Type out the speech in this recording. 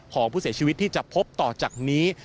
ของผู้เสียชีวิตที่จะพบต่อจากนี้